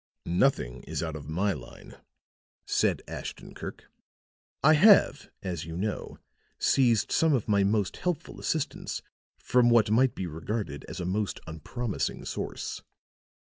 "Nothing is out of my line," said Ashton Kirk. "I have, as you know, seized some of my most helpful assistance from what might be regarded as a most unpromising source."